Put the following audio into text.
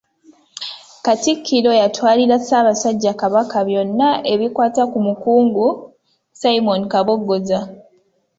Katikkiro yatwalira Ssaabasajja Kabaka byona ebikwata ku Mukungu Simon Kabogoza.